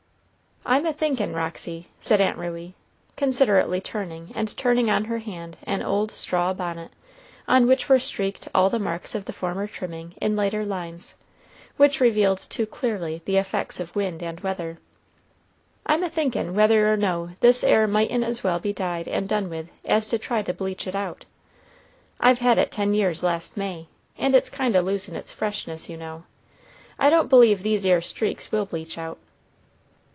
"I'm a thinkin', Roxy," said Aunt Ruey, considerately turning and turning on her hand an old straw bonnet, on which were streaked all the marks of the former trimming in lighter lines, which revealed too clearly the effects of wind and weather, "I'm a thinkin' whether or no this 'ere mightn't as well be dyed and done with it as try to bleach it out. I've had it ten years last May, and it's kind o' losin' its freshness, you know. I don't believe these 'ere streaks will bleach out."